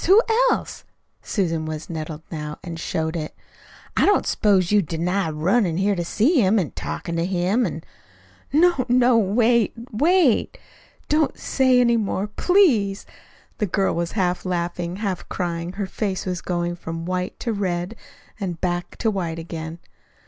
Who else?" Susan was nettled now, and showed it. "I don't s'pose you'll deny runnin' here to see him, an' talkin' to him, an' " "No, no, wait! wait! Don't say any more, PLEASE!" The girl was half laughing, half crying, and her face was going from white to red and back to white again.